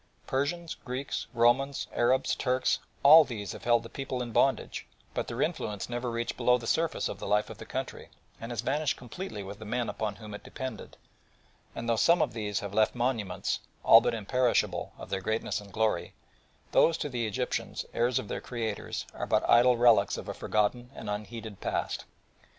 Persians, Greeks, Romans, Arabs, Turks; all these have held the people in bondage, but their influence never reached below the surface of the life of the country, and has vanished completely with the men upon whom it depended, and though some of these have left monuments, all but imperishable, of their greatness and glory, these to the Egyptians, heirs of their creators, are but idle relics of a forgotten and unheeded past.